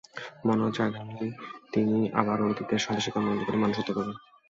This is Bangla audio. মনে হচ্ছে, আগামী তিনি আবারও অতীতের সন্ত্রাসী কর্মকাণ্ড করে মানুষ হত্যা করবেন।